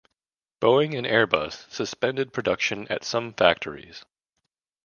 Boeing and Airbus suspended production at some factories.